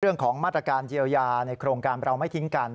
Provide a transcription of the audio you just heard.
เรื่องของมาตรการเยียวยาในโครงการเราไม่ทิ้งกัน